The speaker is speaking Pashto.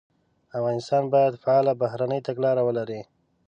افغانستان باید فعاله بهرنۍ تګلاره ولري.